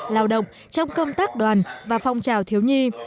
lao động trong công tác đoàn và phong trào thiếu nhi